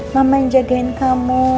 mama yang jagain kamu